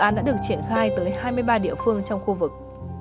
án đã được triển khai tới hai mươi ba địa phương trong khu vực